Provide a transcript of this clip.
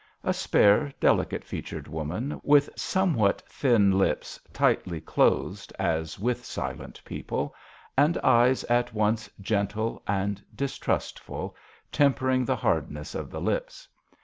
A spare, delicate featured woman, with somewhat thin lips tightly closed as with silent people, and eyes at once gentle and distrustful, tem pering the hardness of the lips.